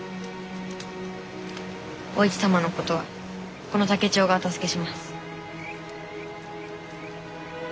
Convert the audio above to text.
お市様のことはこの竹千代がお助けします。